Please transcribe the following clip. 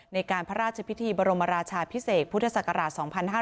ในการพระราชพิธีบรมราชาพิเศษพุทธศักราช๒๕๕๙